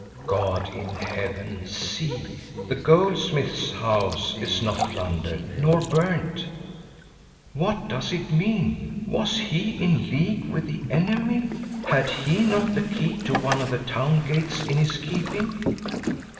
God in Heaven, see! The goldsmith's house is not plundered nor burned. What does it mean? Was he in league with the enemy? Had he not the key to one of the town gates in his keeping?